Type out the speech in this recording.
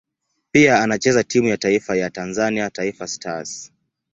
Pia anachezea timu ya taifa ya Tanzania Taifa Stars.